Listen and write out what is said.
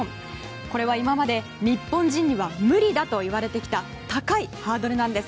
これは今まで日本人には無理だといわれてきた高いハードルなんです。